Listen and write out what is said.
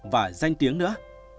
và danh tiếng nữa